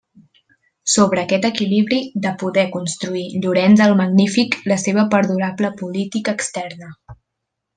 Sobre aquest equilibri de poder construir Llorenç el Magnífic la seva perdurable política externa.